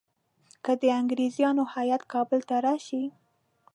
که د انګریزانو هیات کابل ته راشي.